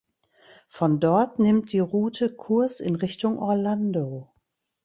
Von dort nimmt die Route Kurs in Richtung Orlando.